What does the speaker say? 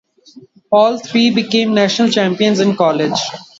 All three became national champions in college.